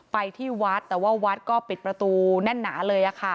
ไปที่วัดแต่ว่าวัดก็ปิดประตูแน่นหนาเลยค่ะ